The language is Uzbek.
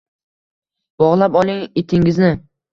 Bogʻlab oling itingizni.